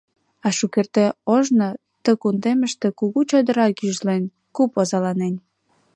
А шукерте ожно ты кундемыште кугу чодыра гӱжлен, куп озаланен.